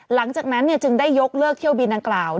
หลังจากนั้นจึงได้ยกเลิกเที่ยวบินดังกล่าว